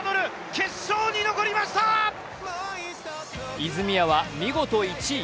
和泉は見事１位。